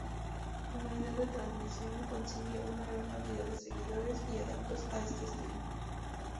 Unidad de Transmisión consigue una gran cantidad de seguidores y adeptos a este estilo.